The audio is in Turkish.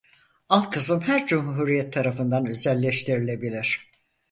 Alt kısım her cumhuriyet tarafından özelleştirilebilir.